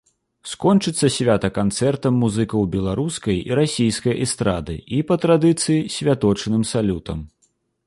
Скончыцца свята канцэртам музыкаў беларускай і расійскай эстрады і, па традыцыі, святочным салютам.